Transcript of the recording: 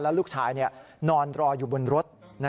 ลูกชายนอนรออยู่บนรถ